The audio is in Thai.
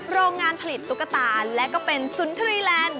โรงงานผลิตตุ๊กตาและก็เป็นสุนทรีแลนด์